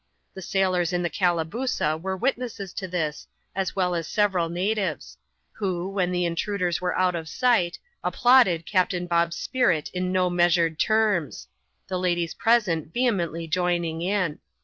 The sailors in the Calabooza were witnesses to this, as well as several natives ; who, when the intruders were out of sight, applauded Captain Bob's spirit in no measured terms ; the ladies present vehe mently joining in.